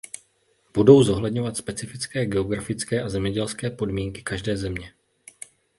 Budou zohledňovat specifické geografické a zemědělské podmínky každé země.